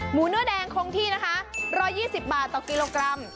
เนื้อแดงคงที่นะคะ๑๒๐บาทต่อกิโลกรัม